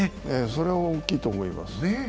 それは大きいと思います。